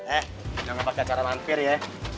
eh jangan pake cara lampir ya